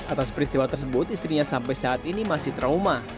atas peristiwa tersebut istrinya sampai saat ini masih trauma